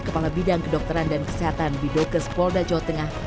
kepala bidang kedokteran dan kesehatan bidokes polda jawa tengah